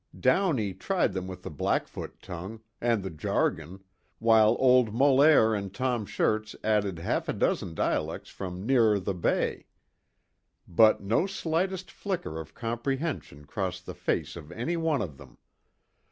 Downey tried them with the Blackfoot tongue, and the Jargon, while old Molaire and Tom Shirts added half a dozen dialects from nearer the Bay. But no slightest flicker of comprehension crossed the face of any one of them.